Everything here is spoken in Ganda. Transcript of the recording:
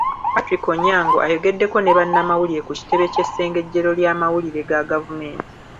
Patrick Onyango ayogedeko ne bannamawulire ku kitebe ky'essengejjero ly'amawulire ga gavumenti.